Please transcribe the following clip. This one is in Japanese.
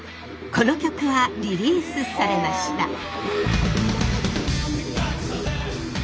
この曲はリリースされました。